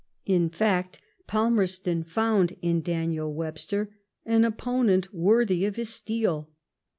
In fact, Palmerston found in Daniel Webster an opponent worthy of his steel.